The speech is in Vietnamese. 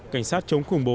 cảnh sát chống khủng bố